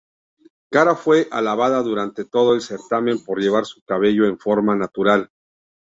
Kara fue alabada durante todo el certamen por llevar su cabello en forma natural.